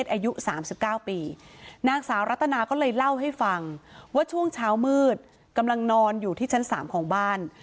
อายุ๓๙ปีนางสาวรัตนาก็เลยเล่าให้ฟังว่าช่วงเช้ามืดกำลังนอนอยู่ที่ชั้น๓ของบ้าน